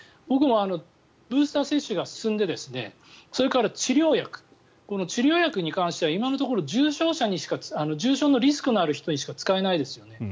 僕もブースター接種が進んでそれから治療薬この治療薬に関しては今のところ重症のリスクのある人にしか使えないですよね。